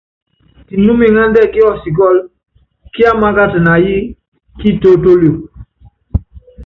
Kinúmiŋándɛ́ kiɔ́sikɔ́lɔ, kiámákat na yí ki itólítólio.